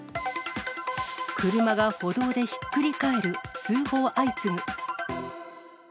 車が歩道でひっくり返る、通報相次ぐ。